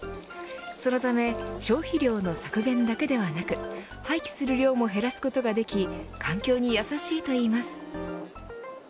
そのため消費量の削減だけではなく廃棄する量も減らすことができ環境にやさしいといいます。